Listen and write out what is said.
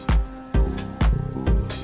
jalan atau pake motor